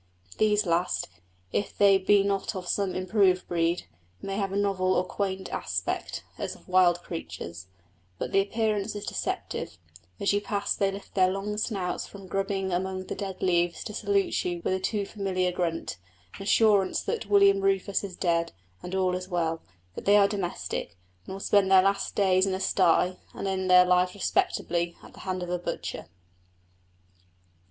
These last, if they be not of some improved breed, may have a novel or quaint aspect, as of wild creatures, but the appearance is deceptive; as you pass they lift their long snouts from grubbing among the dead leaves to salute you with a too familiar grunt an assurance that William Rufus is dead, and all is well; that they are domestic, and will spend their last days in a stye, and end their life respectably at the hands of the butcher.